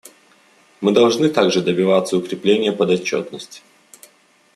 Мы должны также добиваться укрепления подотчетности.